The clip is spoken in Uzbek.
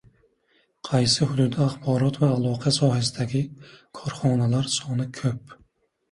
Qaysi hududda axborot va aloqa sohasidagi korxonalar soni ko‘p?